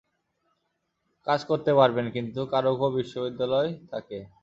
কাজ করতে পারবেন, কিন্তু কারকও বিশ্ববিদ্যালয় তাঁকে